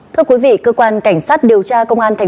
thưa quý vị cơ quan cảnh sát điều tra công an tp lọc